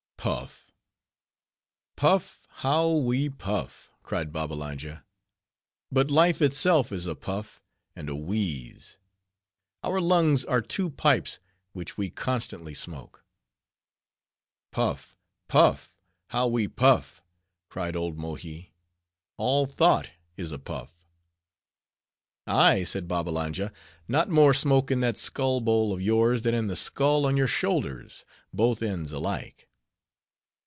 "Puff; puff, how we puff," cried Babbalanja. "but life itself is a puff and a wheeze. Our lungs are two pipes which we constantly smoke." "Puff, puff! how we puff," cried old Mohi. "All thought is a puff." "Ay," said Babbalanja, "not more smoke in that skull bowl of yours than in the skull on your shoulders: both ends alike."